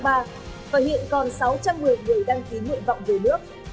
và hiện còn sáu trăm một mươi người đăng ký nguyện vọng về nước